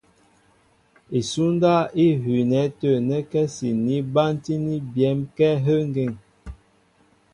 Isúndáp í hʉʉnɛ tə̂ nɛ́kɛ́si ní bántíní byɛ̌m kɛ́ áhə́ ŋgeŋ.